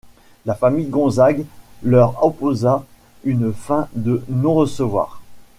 La famille Gonzague leur opposa une fin de non-recevoir.